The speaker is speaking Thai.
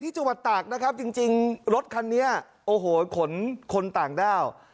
จังหวัดตากนะครับจริงรถคันนี้โอ้โหขนคนต่างด้าว